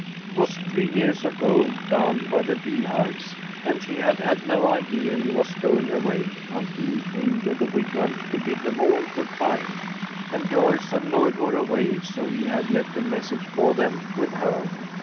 It was three years ago, down by the beehives, and she had had no idea he was going away until he came to the Wigwam to bid them all good by. And Joyce and Lloyd were away, so he had left a message for them with her.